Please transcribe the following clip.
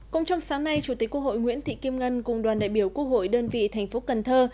cũng trong sáng nay chủ tịch quốc hội nguyễn thị kim ngân cùng đoàn đại biểu quốc hội đơn vị thành phố cần thơ